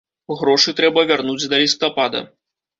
Грошы трэба вярнуць да лістапада.